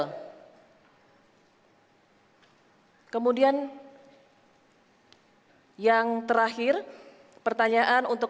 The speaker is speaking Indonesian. hai kemudian yang terakhir pertanyaan untuk